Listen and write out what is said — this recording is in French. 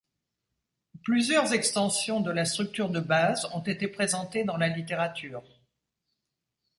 Plusieurs extensions de la structure de base ont été présentées dans la littérature.